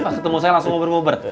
masih ketemu saya langsung bobor bobor